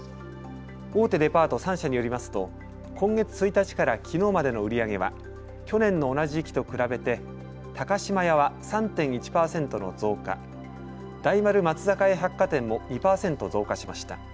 大手デパート３社によりますと今月１日からきのうまでの売り上げは去年の同じ時期と比べて高島屋は３．１％の増加、大丸松坂屋百貨店も２％増加しました。